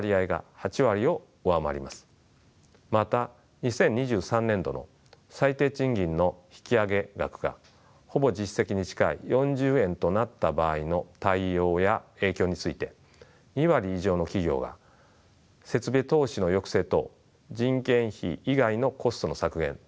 また２０２３年度の最低賃金の引き上げ額がほぼ実績に近い「４０円」となった場合の対応や影響について２割以上の企業が「設備投資の抑制等人件費以外のコストの削減」と答えていました。